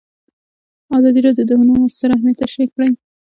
ازادي راډیو د هنر ستر اهميت تشریح کړی.